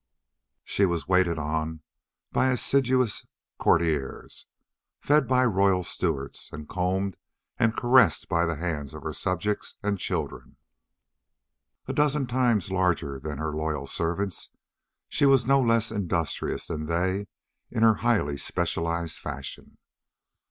She was waited upon by assiduous courtiers, fed by royal stewards, and combed and caressed by the hands of her subjects and children. A dozen times larger than her loyal servants, she was no less industrious than they in her highly specialized fashion.